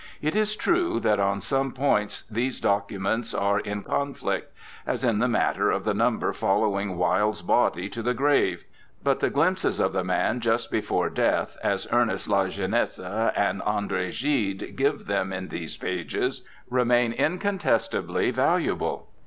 It is true that on some points these documents are in conflict; as in the matter of the number following Wilde's body to the grave. But the glimpses of the man just before death, as Ernest La Jeunesse and Andre Gide give them in these pages, remain incontestably valuable.